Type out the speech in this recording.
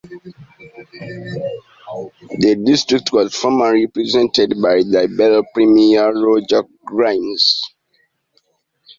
The district was formerly represented by Liberal Premier Roger Grimes.